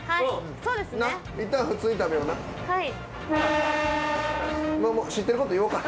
はい。